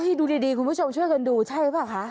นี่ดูดีคุณผู้ชมช่วยกันดูใช่ไหมค่ะ